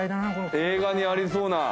映画にありそうな。